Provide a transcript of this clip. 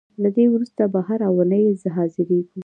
له دې وروسته به هر اوونۍ حاضرېږو.